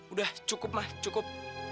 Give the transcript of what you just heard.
udah cukup mah cukup